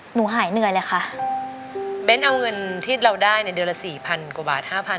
หนูหายเหนื่อยเลยค่ะเบ้นเอาเงินที่เราได้ในเดือนละสี่พันกว่าบาทห้าพัน